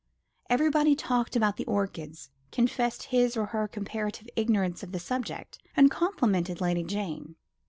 Everybody talked about the orchids, confessed his or her comparative ignorance of the subject, and complimented Lady Jane.